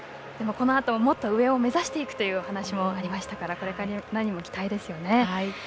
もっと上を目指していくというお話もありましたのでこれからにも期待ですね。